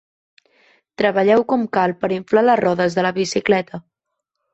Treballeu com cal per inflar les rodes de la bicicleta.